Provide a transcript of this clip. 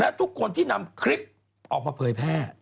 และทุกคนที่นำคลิปออกมาเผยแพร่